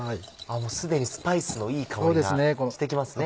もう既にスパイスのいい香りがしてきますね。